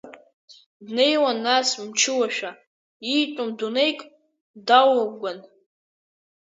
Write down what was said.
Днеиуан нас, мчылашәа, иитәым дунеик далыгәгәан.